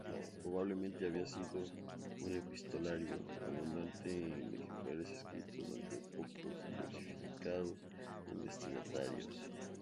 Probablemente había sido un epistolario abundante en ejemplares escritos, aunque poco diversificado en destinatarios.